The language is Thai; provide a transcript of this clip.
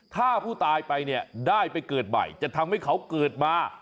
ถ้าผู้ตายไปเนี่ยได้ไปเกิดใหม่จะทำให้เขาเกิดมา